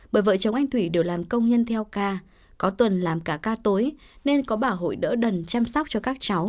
bởi vợ chồng anh thủy đều làm công nhân theo ca có tuần làm cả ca tối nên có bà hội đỡ đần chăm sóc cho các cháu